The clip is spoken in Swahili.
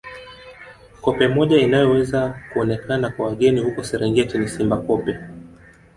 Koppe moja inayoweza kuonekana kwa wageni huko Serengeti ni Simba Koppe